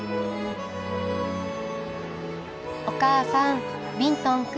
お母さんビントン君